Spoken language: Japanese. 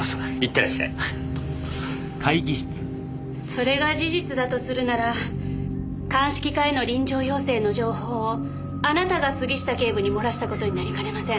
それが事実だとするなら鑑識課への臨場要請の情報をあなたが杉下警部に漏らした事になりかねません。